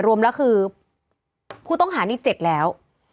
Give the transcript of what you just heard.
รวมแล้วคือผู้ต้องหานี่๗แล้ว